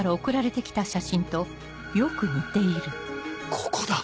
ここだ！